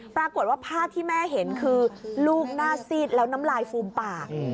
ปรากฏว่าภาพที่แม่เห็นคือลูกหน้าซีดแล้วน้ำลายฟูมปาก